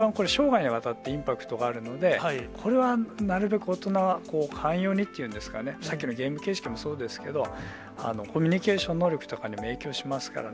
その上でやっぱり、子どもたちの教育というのは一番これ、生涯にわたってインパクトがあるので、これはなるべく大人は寛容にっていうんですかね、さっきのゲーム形式もそうですけど、コミュニケーション能力とかにも影響しますからね。